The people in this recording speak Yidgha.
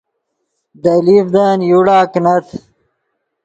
دے لیڤدن یوڑا کینت